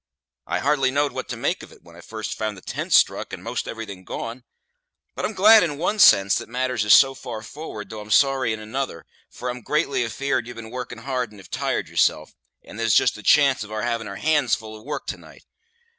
I hardly knowed what to make of it when I first found the tents struck and 'most everything gone. But I'm glad in one sense that matters is so far for'ard, though I'm sorry in another; for I'm greatly afeared you've been working hard and have tired yourself, and there's just a chance of our havin' our hands full of work to night.